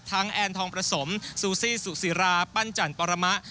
แอนทองประสมซูซี่สุศิราปั้นจันปรมะ